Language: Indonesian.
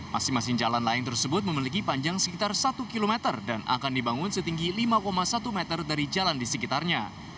masing masing jalan layang tersebut memiliki panjang sekitar satu km dan akan dibangun setinggi lima satu meter dari jalan di sekitarnya